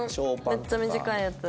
めっちゃ短いやつ。